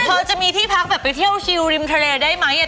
พอจะมีที่พักแบบไปเที่ยวคิวริมทะเลได้ไหม